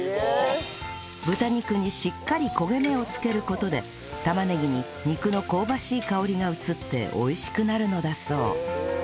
豚肉にしっかり焦げ目をつける事で玉ねぎに肉の香ばしい香りが移って美味しくなるのだそう